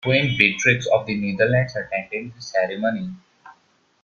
Queen Beatrix of the Netherlands attended the ceremony.